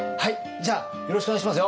じゃあよろしくお願いしますよ